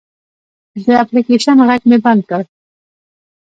د اپلیکیشن غږ مې بند کړ.